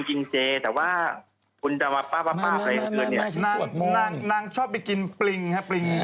โอเคเฮาะอาจารย์ช้าง